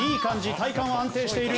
体幹は安定している。